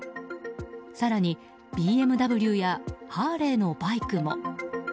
更にＢＭＷやハーレーのバイクも。